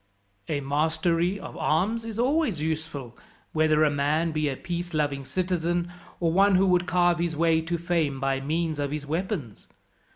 "A mastery of arms is always useful, whether a man be a peace loving citizen, or one who would carve his way to fame by means of his weapons.